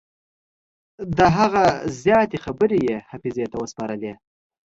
د هغه زیاتې برخې یې حافظې ته وسپارلې.